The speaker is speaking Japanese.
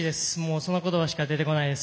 その言葉しか出てこないです。